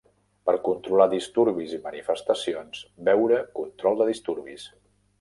Per controlar disturbis i manifestacions, veure control de disturbis.